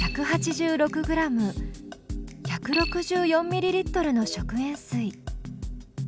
１８６ｇ１６４ミリリットルの食塩水。